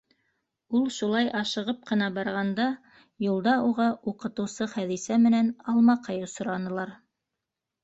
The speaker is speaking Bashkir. Ул шулай ашығып ҡына барғанда, юлда уға уҡытыусы Хәҙисә менән Алмаҡай осранылар.